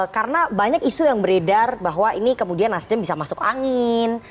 karena banyak isu yang beredar bahwa ini kemudian nasdem bisa masuk angin